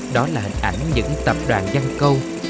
đó là hình ảnh những tập đoàn văn câu